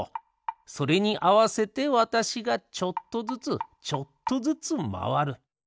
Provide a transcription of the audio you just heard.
それにあわせてわたしがちょっとずつちょっとずつまわる。